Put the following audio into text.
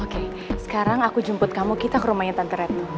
oke sekarang aku jemput kamu kita ke rumahnya tante ret